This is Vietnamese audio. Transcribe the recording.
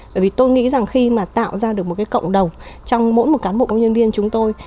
bởi vì tôi nghĩ rằng khi mà tạo ra được một cái cộng đồng trong mỗi một cán bộ công nhân viên chúng tôi